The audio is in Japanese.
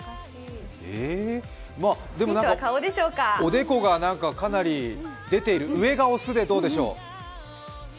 でもおでこがかなり出ている上がオスでどうでしょう？